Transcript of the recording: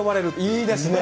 いいですね。